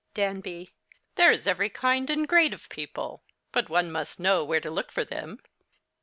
Danby. There is every kind and grade of people ; but one must know where to look for them.